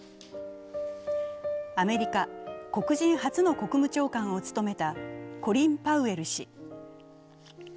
アメリカ、黒人初の国務長官を務めたコリン・パウエル氏。